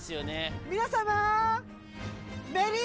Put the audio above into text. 皆様！